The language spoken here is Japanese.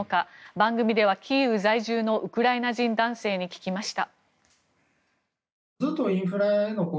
番組ではキーウ在住のウクライナ人男性に聞きました。